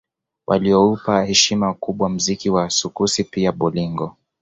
Walioupa heshima kubwa mziki wa sukusi pia bolingo